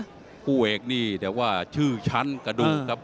คู่เอกนี่แต่ว่าชื่อชั้นกระดูกครับ